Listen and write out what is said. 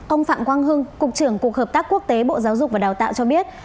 ông phạm quang hưng cục trưởng cục hợp tác quốc tế bộ giáo dục và đào tạo cho biết